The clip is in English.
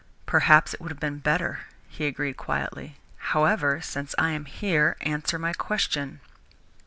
"Perhaps it would have been better," he agreed quietly. "However, since I am here, answer my question."